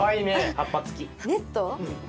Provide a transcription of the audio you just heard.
葉っぱつき。